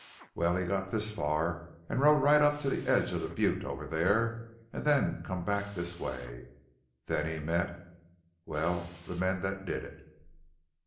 Well, he got this far rode right up to the edge of the butte over there an' then come back this way. Then he met well, the men that did it."